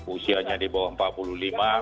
usianya di bawah empat puluh lima